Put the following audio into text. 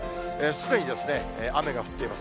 すでに雨が降っています。